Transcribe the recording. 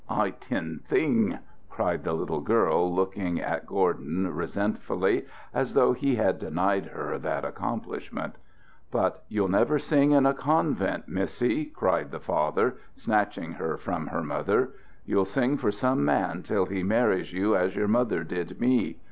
"I tin sing!" cried the little girl, looking at Gordon, resentfully, as though he had denied her that accomplishment. "But you'll never sing in a convent, missy," cried the father, snatching her from her mother. "You'll sing for some man till he marries you as your mother did me.